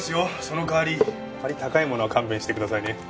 その代わりあまり高いものは勘弁してくださいね。